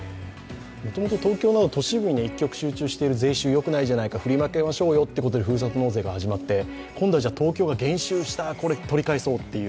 もともと東京など都市部に一極集中している税収、振り分けましょうよということで、ふるさと納税が始まって今度は東京が減収した、取り返そうという。